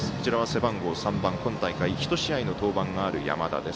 背番号３番今大会１試合の登板がある山田。